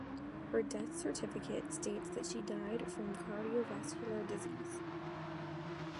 Her death certificate states that she died from cardiovascular disease.